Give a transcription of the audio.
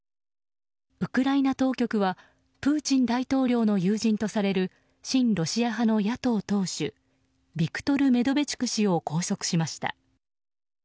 ウクライナ当局はプーチン大統領の友人とされる親ロシア派の野党党首ビクトル・メドベチュク氏を拘束しました。